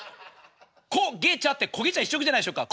こげちゃって焦げ茶１色じゃないでしょうか。